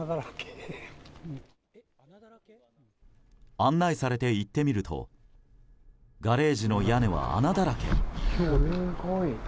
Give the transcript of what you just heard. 案内されて行ってみるとガレージの屋根は穴だらけ。